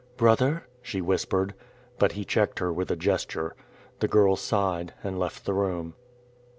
"Brother," she whispered. But he checked her with a gesture. The girl sighed and left the room.